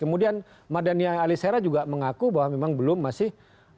kemudian mardania alisera juga mengaku bahwa memang belum masih